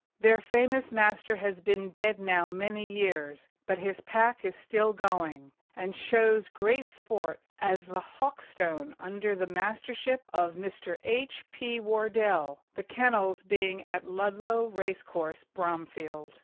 Their famous Master has been dead now many years, but his pack is still going, and shows great sport as the Hawkstone under the Mastership of Mr. H. P. Wardell, the kennels being at Ludlow race course, Bromfield.